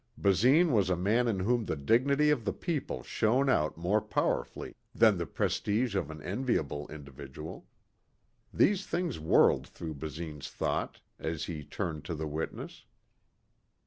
Basine was a man in whom the dignity of the people shone out more powerfully than the prestige of any enviable individual. These things whirled through Basine's thought as he turned to the witness.